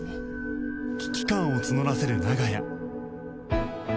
危機感を募らせる長屋